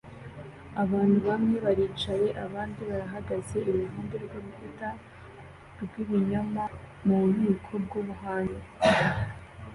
abantu bamwe baricaye abandi bahagaze iruhande rwurukuta rwibinyoma mububiko bwubuhanzi